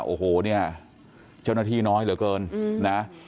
โอ้โหเจ้าหน้าที่น้อยเหลือเกิน